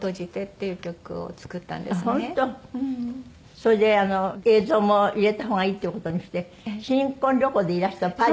それで映像も入れた方がいいっていう事にして新婚旅行でいらしたパリ。